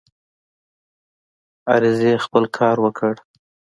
عریضې خپل کار وکړ.